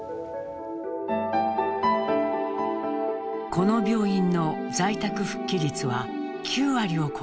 この病院の在宅復帰率は９割を超えます。